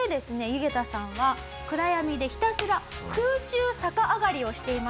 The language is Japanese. ユゲタさんは暗闇でひたすら空中逆上がりをしていました。